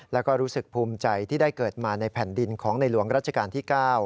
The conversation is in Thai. แล้วก็รู้สึกภูมิใจที่ได้เกิดมาในแผ่นดินของในหลวงรัชกาลที่๙